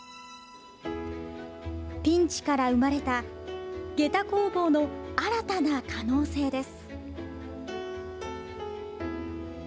ピンチから生まれたげた工房の新たな可能性です。